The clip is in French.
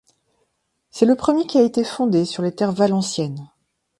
C'est le premier qui a été fondé sur les terres valenciennes.